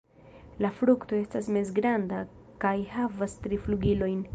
La frukto estas mezgranda kaj havas tri flugilojn.